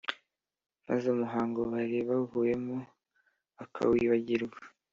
, maze umuhango bari bavuyemo bakawibagirwa